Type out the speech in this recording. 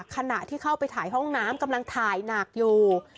ขณะที่เข้าไปถ่ายห้องน้ำกำลังถ่ายหนักอยู่